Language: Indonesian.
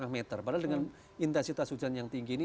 lima meter padahal dengan intensitas hujan yang tinggi ini